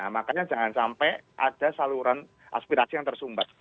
makanya jangan sampai ada saluran aspirasi yang tersumbat